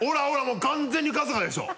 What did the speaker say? もう完全に春日でしょ。